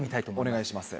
お願いします。